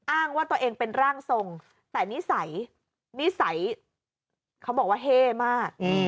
อ้างว่าตัวเองเป็นร่างทรงแต่นิสัยนิสัยเขาบอกว่าเฮ่มาก